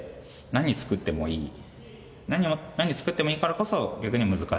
何を作ってもいいからこそ逆に難しいという。